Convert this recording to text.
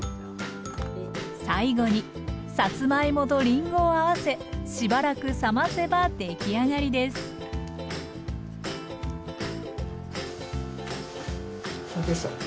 最後にさつまいもとりんごを合わせしばらく冷ませば出来上がりです・どうでしょう？